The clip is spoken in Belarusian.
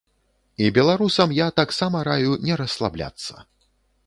І беларусам я таксама раю не расслабляцца.